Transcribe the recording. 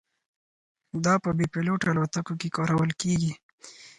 دا په بې پیلوټه الوتکو کې کارول کېږي.